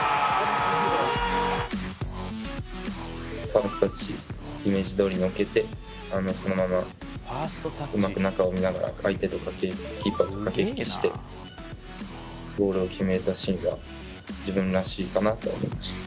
ファーストタッチイメージどおりに置けてそのままうまく中を見ながら相手とかキーパーと駆け引きしてゴールを決めたシーンは自分らしいかなって思いました。